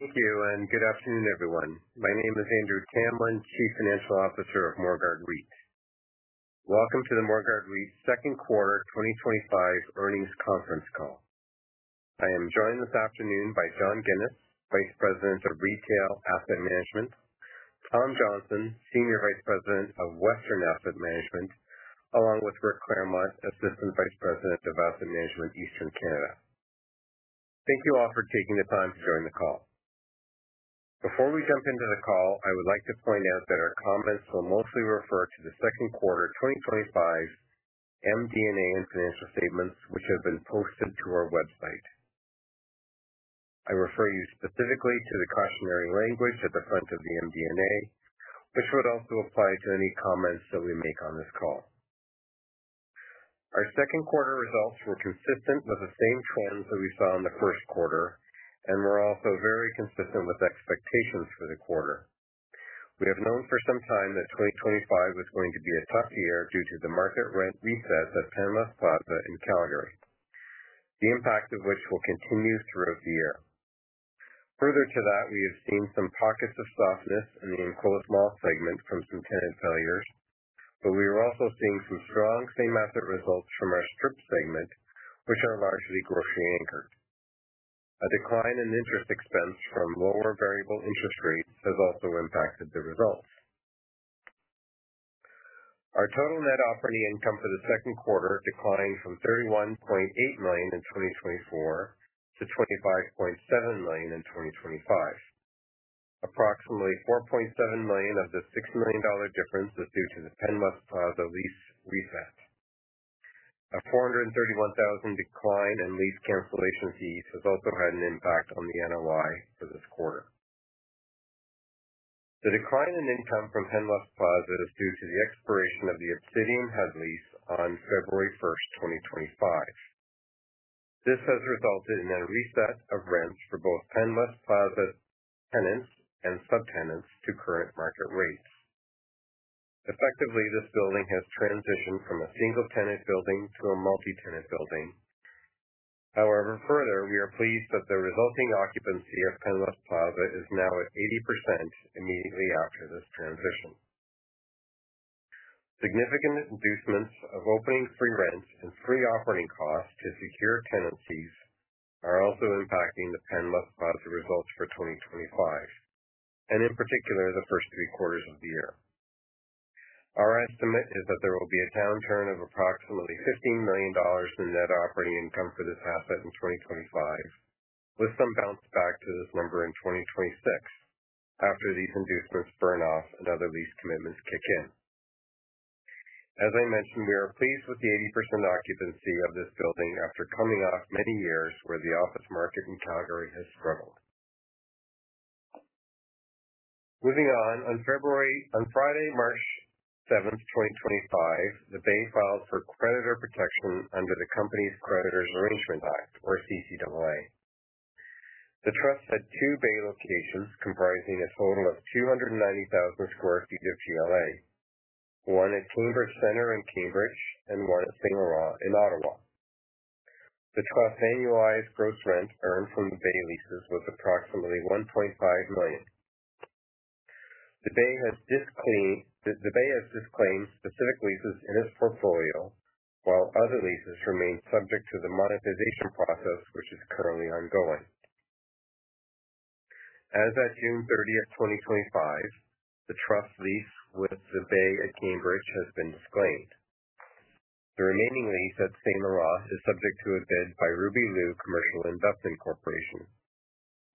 Thank you, and good afternoon, everyone. My name is Andrew Tamlin, Chief Financial Morguard REIT. Welcome Morguard REIT's second quarter 2025 earnings conference call. I am joined this afternoon by John Ginis, Vice President, Retail Asset Management, Tom Johnston, Senior Vice President, Western Asset Management, along with Richard Clermont, Assistant Vice President, Asset Management, Eastern Canada. Thank you all for taking the time to join the call. Before we jump into the call, I would like to point out that our comments will mostly refer to the second quarter 2025 MD&A and financial statements, which have been posted to our website. I refer you specifically to the cautionary language at the front of the MD&A, which would also apply to any comments that we make on this call. Our second quarter results were consistent with the same trends that we saw in the first quarter and were also very consistent with expectations for the quarter. We have known for some time that 2025 was going to be a tough year due to the market rent reset at Panama Plaza in Calgary, the impact of which will continue throughout the year. Further to that, we have seen some pockets of softness in the enclosed mall segment from some tenant failures, but we are also seeing some strong same asset results from our strip segment, which are largely grocery anchored. A decline in interest expense from lower variable interest rates has also impacted the results. Our total net operating income for the second quarter declined from $31.8 million in 2024 to $25.7 million in 2025. Approximately $4.7 million of the $6 million difference is due to the Panama Plaza lease reset. A $431,000 decline in lease cancellation fees has also had an impact on the NOI for this quarter. The decline in income from Panama Plaza is due to the expiration of the Obsidian Energy head lease on February 1st, 2025. This has resulted in a reset of rents for both Panama Plaza tenants and subtenants to current market rates. Effectively, this building has transitioned from a single-tenant building to a multi-tenant building. However, further, we are pleased that the resulting occupancy of Panama Plaza is now at 80% immediately after this transition. Significant inducements of opening free rents and free operating costs to secure tenancies are also impacting the Panama Plaza results for 2025, and in particular, the first three quarters of the year. Our estimate is that there will be a downturn of approximately $15 million in net operating income for this asset in 2025, with some bounce back to this number in 2026 after these inducements burn off and other lease commitments kick in. As I mentioned, we are pleased with the 80% occupancy of this building after coming off many years where the office market in Calgary has struggled. Moving on, on Friday, March 7, 2025, The Bay filed for creditor protection under the Companies' Creditors Arrangement Act, or CCAA. The trust had two The Bay locations comprising a total of 290,000 square feet of GLA, one at Cambridge Centre in Cambridge and one at St. Laurent in Ottawa. The trust's annualized gross rent earned from The Bay leases was approximately $1.5 million. The Bay has disclaimed specific leases in its portfolio, while other leases remain subject to the monetization process, which is currently ongoing. As of June 30th, 2025, the trust's lease with The Bay at Cambridge Centre has been disclaimed. The remaining lease at St. Laurent is subject to a bid by Ruby Liu Commercial Investment Corporation.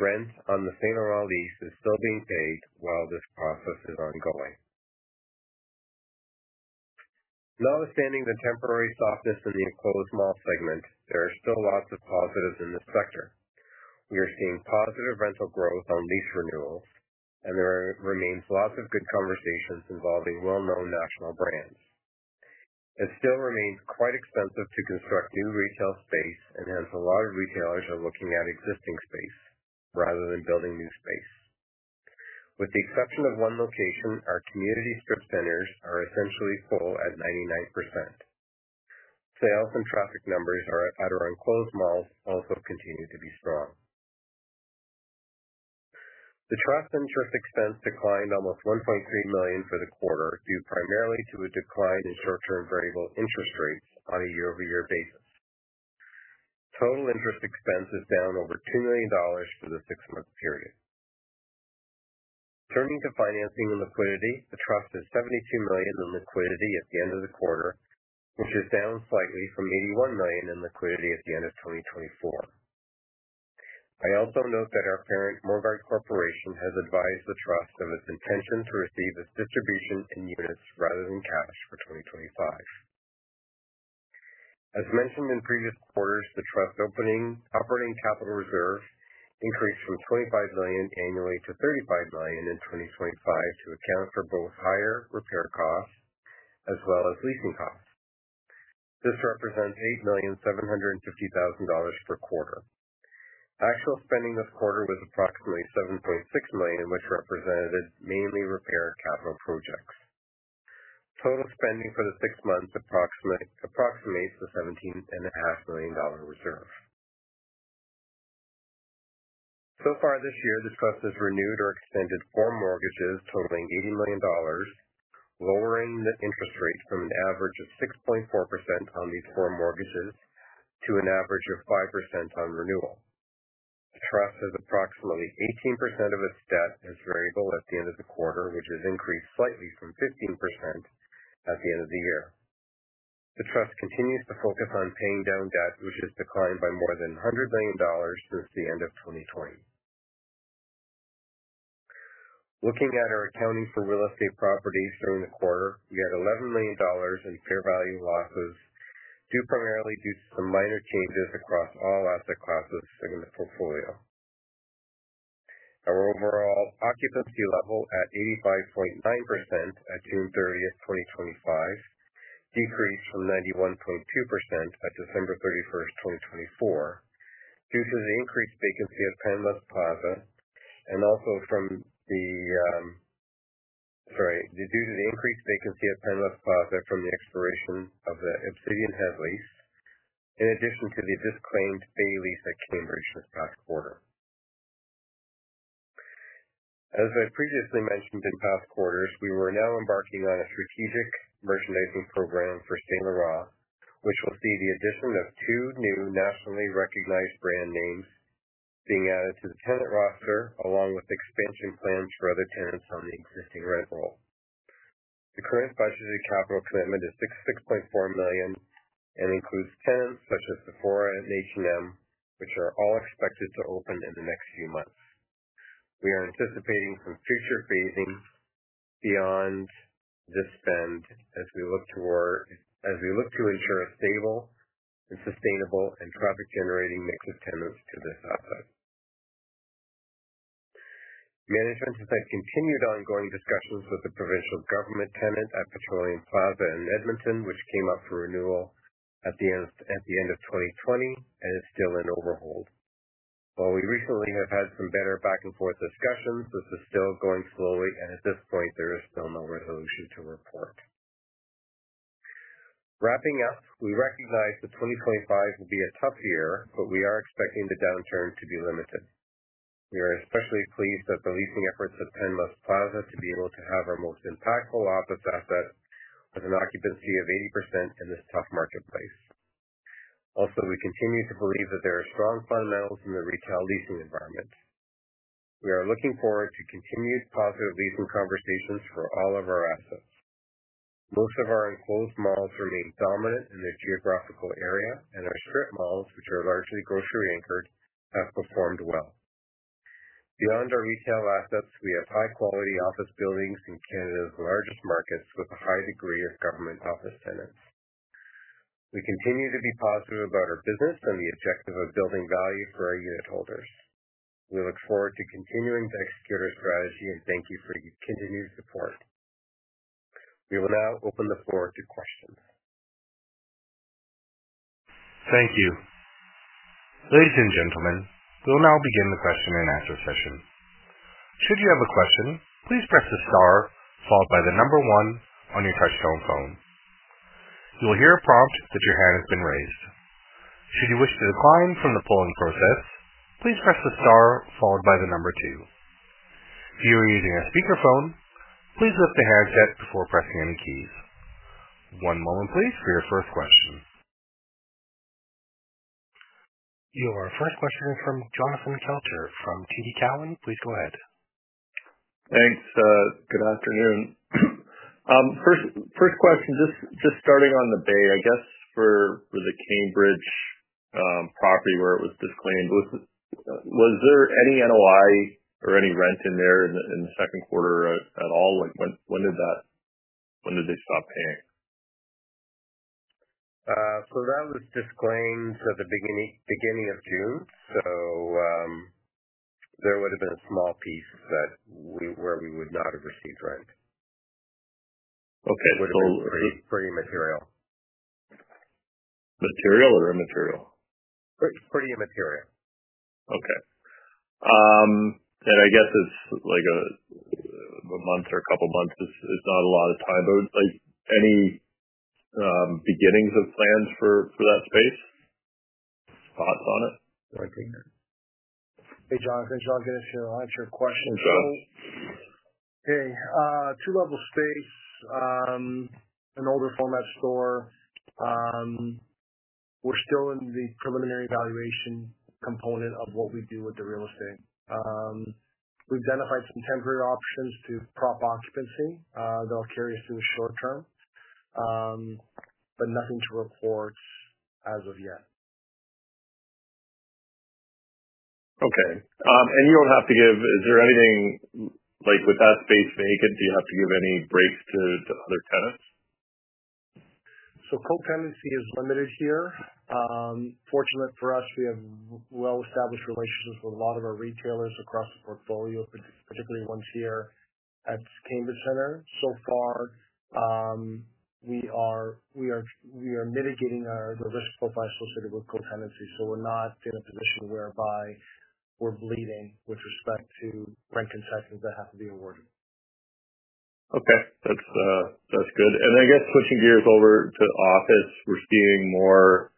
Rent on the St. Laurent lease is still being paid while this process is ongoing. Notwithstanding the temporary softness in the enclosed mall segment, there are still lots of positives in this sector. We are seeing positive rental growth on lease renewals, and there remain lots of good conversations involving well-known national brands. It still remains quite expensive to construct new retail space, and hence a lot of retailers are looking at existing space rather than building new space. With the exception of one location, our community strip centers are essentially full at 99%. Sales and traffic numbers at our enclosed malls also continue to be strong. The trust's interest expense declined almost $1.3 million for the quarter, due primarily to a decline in short-term variable interest rates on a year-over-year basis. Total interest expense is down over $2 million for the six-month period. Turning to financing and liquidity, the trust has $72 million in liquidity at the end of the quarter, which is down slightly from $81 million in liquidity at the end of 2024. I also note that our parent, Morguard Corporation, has advised the trust of its intention to receive its distribution in units rather than cash for 2025. As mentioned in previous quarters, the trust's operating capital reserves increased from $25 million annually to $35 million in 2025 to account for both higher repair costs as well as leasing costs. This represents $8.750 million per quarter. Actual spending this quarter was approximately $7.6 million, which represented mainly repair and capital projects. Total spending for the six months approximates the $17.5 million reserves. So far this year, the trust has renewed or extended four mortgages totaling $80 million, lowering the interest rates from an average of 6.4% on these four mortgages to an average of 5% on renewal. The trust has approximately 18% of its debt as variable at the end of the quarter, which has increased slightly from 15% at the end of the year. The trust continues to focus on paying down debt, which has declined by more than $100 million since the end of 2020. Looking at our accounting for real estate properties during the quarter, we had $11 million in fair value losses, primarily due to some minor changes across all asset classes in the portfolio. Our overall occupancy level at 85.9% at June 30th, 2025, decreased from 91.2% at December 31st, 2024, due to the increased vacancy at Panama Plaza and also due to the increased vacancy at Panama Plaza from the expiration of the Obsidian Energy head lease, in addition to the disclaimed Bay lease at Cambridge this past quarter. As I previously mentioned in past quarters, we are now embarking on a strategic merchandising program for St. Laurent, which will see the addition of two new nationally recognized brand names being added to the tenant roster, along with expansion plans for other tenants on the existing rent roll. The current budgeted capital commitment is $66.4 million and includes tenants such as Sephora and H&M, which are all expected to open in the next few months. We are anticipating some future phasing beyond this spend as we look to ensure a stable and sustainable and profit-generating mix of tenants to this asset. Management has had continued ongoing discussions with the provincial government tenant at Petroleum Plaza in Edmonton, which came up for renewal at the end of 2020 and is still in overhaul. While we recently have had some better back-and-forth discussions, this is still going slowly, and at this point, there is still no resolution to report. Wrapping up, we recognize that 2025 will be a tough year, but we are expecting the downturn to be limited. We are especially pleased that the leasing efforts at Panama Plaza have been able to have our most impactful office asset with an occupancy of 80% in this tough marketplace. Also, we continue to believe that there are strong fundamentals in the retail leasing environment. We are looking forward to continued positive leasing conversations for all of our assets. Most of our enclosed malls remain dominant in the geographical area, and our strip malls, which are largely grocery anchored, have performed well. Beyond our retail assets, we have high-quality office buildings in Canada's largest markets with a high degree of government office tenants. We continue to be positive about our business and the objective of building value for our unitholders. We look forward to continuing to execute our strategy, and thank you for your continued support. We will now open the floor to questions. Thank you. Ladies and gentlemen, we'll now begin the question and answer session. Should you have a question, please press the star followed by the number one on your touchtone phone. You'll hear a prompt that your hand has been raised. If you wish to decline from the polling process, please press the star followed by the number two. If you are using a speakerphone, please lift the handsets before pressing any keys. One moment, please, for your first question. Your first question will come from Jonathan Kelcher from TD Cowen. Please go ahead. Thanks. Good afternoon. First question, just starting on The Bay, I guess for the Cambridge property where it was disclaimed, was there any NOI or any rent in there in the second quarter at all? When did that, when did they stop paying? That was disclaimed at the beginning of June, so there would have been a small piece where we would not have received rent. Okay. Pretty material. Material or immaterial? It's pretty immaterial. Okay, I guess it's like a month or a couple of months. It's not a lot of time, but any beginnings of plans for that space? Thoughts on it? Hey, Jonathan. It's John Ginis. I have some questions. Go ahead. Hey, two-level space, an older format store. We're still in the preliminary evaluation component of what we do with the real estate. We've identified some temporary options to prop occupancy, though it's very soon for the short term, but nothing to report as of yet. Okay. You don't have to give, is there anything like with that space vacant? Do you have to give any breaks to other tenants? Co-tenancy is limited here. Fortunately for us, we have well-established relationships with a lot of our retailers across the portfolio, particularly ones here at Cambridge Centre. We are mitigating the risk profile associated with co-tenancy. We're not in a position whereby we're bleeding with respect to rent contractions that have to be awarded. Okay. That's good. I guess switching gears over to office, we're seeing more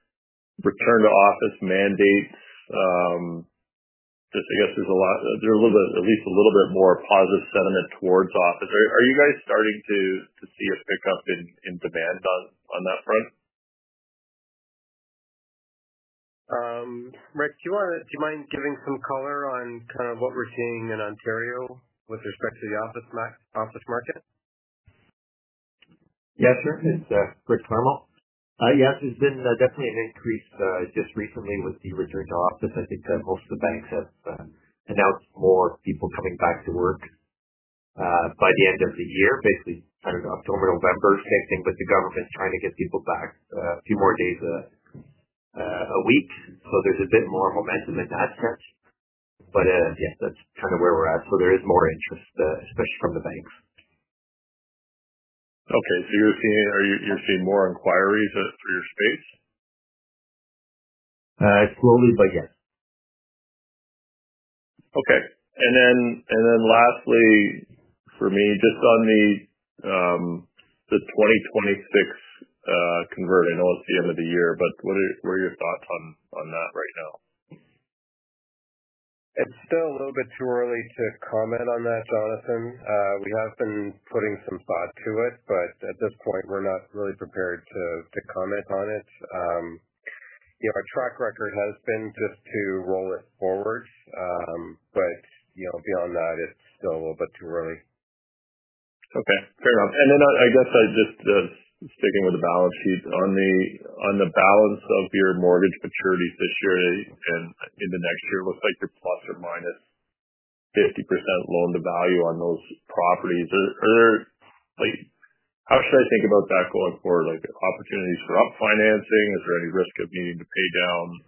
return-to-office mandates. I guess there's at least a little bit more positive sentiment towards office. Are you guys starting to see a pickup in demand on that front? Rick, do you mind giving some color on kind of what we're seeing in Ontario with respect to the office market? Yes, sir. Yes, sir. Yes, there's been definitely an increase just recently with the return-to-office as the banks have announced more people coming back to work by the end of the year, basically kind of October-November. The same thing with the government trying to get people back a few more days a week. There's a bit more momentum in that sense. That's kind of where we're at. There is more interest, especially from the banks. Okay, you're seeing more inquiries for your space? Slowly, but yes. Okay. Lastly, for me, just on the 2026 converting, I know it's the end of the year, but what are your thoughts on that right now? It's still a little bit too early to comment on that, Jonathan. We have been putting some thought to it, but at this point, we're not really prepared to comment on it. Our track record has been just to roll it forward. Beyond that, it's still a little bit too early. Okay. Fair enough. I guess just sticking with the balance sheets, on the balance of your mortgage maturities this year and in the next year, it looks like you're ±50% loan to value on those properties. Are there, like, how should I think about that going forward? Like opportunities for up-financing? Is there any risk of needing to pay down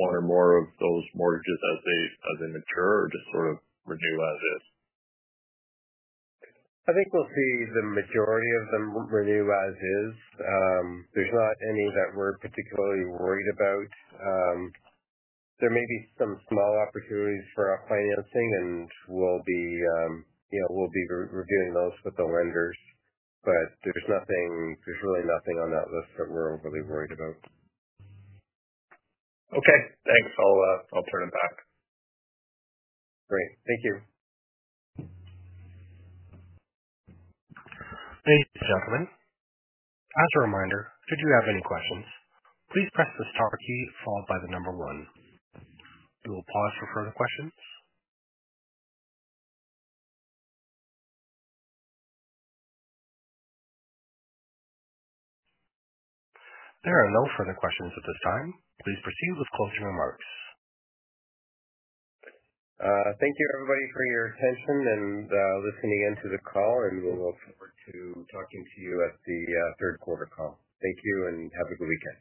one or more of those mortgages as they mature or just sort of renew as is? I think we'll see the majority of them renew as is. There's not any that we're particularly worried about. There may be some small opportunities for up-financing, and we'll be reviewing those with the lender. There's really nothing on that list that we're overly worried about. Okay. Thanks. I'll turn it back. Great. Thank you. Ladies and gentlemen, as a reminder, should you have any questions, please press the star key followed by the number one. We will pause for further questions. There are no further questions at this time. Please proceed with closing remarks. Thank you, everybody, for your attention and listening in to the call. We'll look to talking to you at the third quarter call. Thank you and have a good weekend.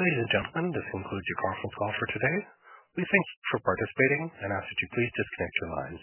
Thank you, gentlemen. This concludes your conference call for today. We thank you for participating and ask that you please disconnect your lines.